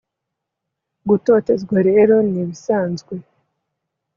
gutotezwa rero nibisanzwe